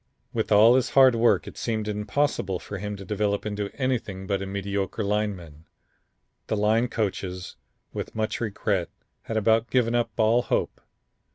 With all his hard work it seemed impossible for him to develop into anything but a mediocre lineman. The line coaches, with much regret, had about given up all hope.